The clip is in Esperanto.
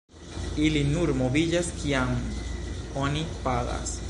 Ili nur moviĝas kiam oni pagas.